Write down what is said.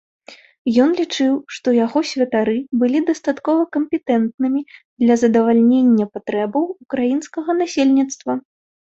Ён лічыў, што яго святары былі дастаткова кампетэнтнымі для задавальнення патрэбаў украінскага насельніцтва.